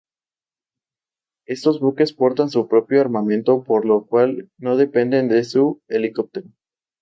Estos buques portan su propio armamento, por lo cual no dependen de su helicóptero.